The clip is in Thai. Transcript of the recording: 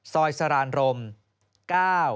๘ซอยสารานโรงศรี